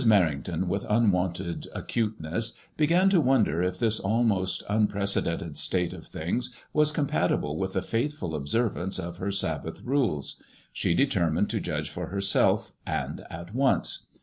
Merrington with unwonted acuteness began to consider if this almost unprecedented state of things was compatible with a faithful observance of her Sab bath rules. She determined to judge for herself, and at once.